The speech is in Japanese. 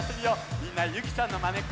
みんなゆきちゃんのまねっこしてね。